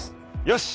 よし！